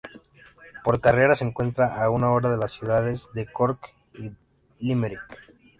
Por carretera, se encuentra a una hora de las ciudades de Cork y Limerick.